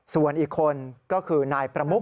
ส่วนอีกคนก็คือนายประมุก